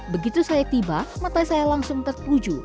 begitu saya tiba mata saya langsung terpuju